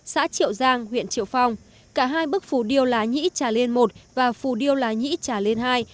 xã triệu giang huyện triệu phong cả hai bức phù điêu lái nhĩ trà liên i và phù điêu lái nhĩ trà liên ii